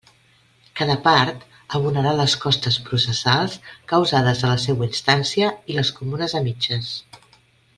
Cada part abonarà les costes processals causades a la seua instància i les comunes a mitges.